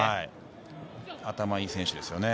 頭いい選手ですね。